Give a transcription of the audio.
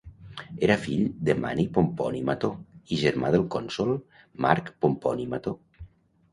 Era fill de Mani Pomponi Mató i germà del cònsol Marc Pomponi Mató.